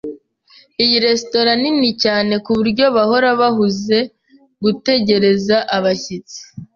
Iyi resitora nini cyane kuburyo bahora bahuze gutegereza abashyitsi.